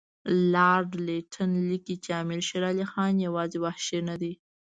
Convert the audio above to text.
لارډ لیټن لیکي چې امیر شېر علي یوازې وحشي نه دی.